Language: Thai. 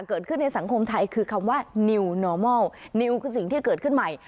เกิดขึ้นในสังคมไทยคือคำว่านิวนอร์มอลนิวคือสิ่งที่เกิดขึ้นใหม่